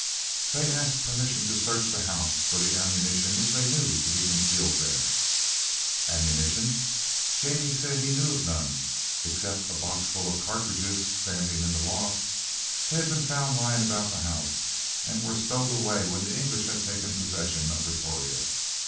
They asked permission to search the house for the ammunition which they knew to be concealed there. Ammunition! Jannie said he knew of none, except a boxful of cartridges standing in the loft. They had been found lying about the house and were stowed away when the English had taken possession of Pretoria.